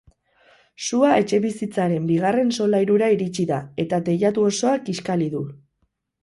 Sua etxebizitzaren bigarren solairura iritsi da, eta teilatu osoa kiskali du.